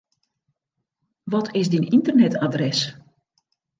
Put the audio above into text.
Wat is dyn ynternetadres?